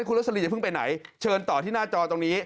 แล้วคุณลักษณีย์จะเพิ่งไปไหนเชิญต่อที่หน้าจอตรงนี้